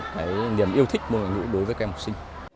cái niềm yêu thích môn ngoại ngữ đối với các em học sinh